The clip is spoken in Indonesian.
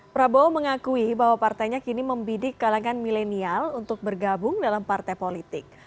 prabowo mengakui bahwa partainya kini membidik kalangan milenial untuk bergabung dalam partai politik